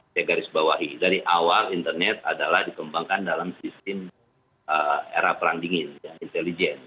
saya garisbawahi dari awal internet adalah dikembangkan dalam sistem era perang dingin yang intelijen